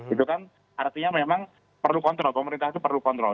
itu kan artinya memang perlu kontrol pemerintah itu perlu kontrol